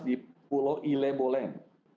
di pulau ile boleng